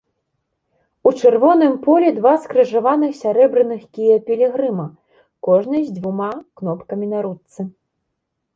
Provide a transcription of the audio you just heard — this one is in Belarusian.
У чырвоным полі два скрыжаваных сярэбраных кія пілігрыма, кожны з дзвюма кнопкамі на ручцы.